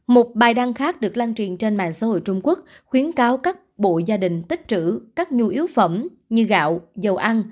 một bài đăng khác được lan truyền trên mạng xã hội trung quốc khuyến cáo các bộ gia đình tích trữ các nhu yếu phẩm như gạo dầu ăn